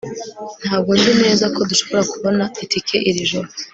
ntabwo nzi neza ko dushobora kubona itike iri joro